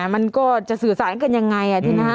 มันก็จะสื่อสารกันยังไง